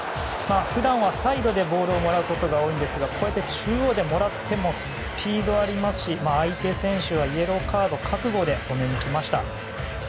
普段はサイドでボールをもらうことが多いですがこうやって中央でもらってもスピードがありますし相手選手はイエローカード覚悟で止めにきました。